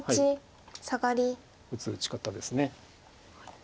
打つ打ち方です。